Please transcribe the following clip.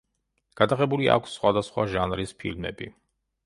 გადაღებული აქვს სხვადასხვა ჟანრის ფილმები.